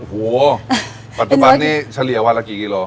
โอ้โหปัจจุบันนี้เฉลี่ยวันละกี่กิโล